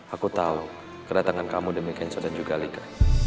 aku tahu kedatangan kamu demikian sudah juga liga